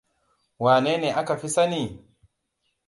Wannene aka fi sani?